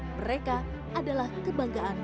mereka adalah kebanggaan